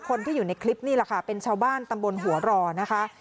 คนที่อยู่ในคลิปนี่แหละค่ะเป็นชาวบ้านตำบลหัวรอนะคะ